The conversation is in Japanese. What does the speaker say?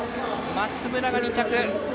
松村が２着。